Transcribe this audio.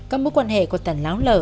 các mối quan hệ của tàn láo lở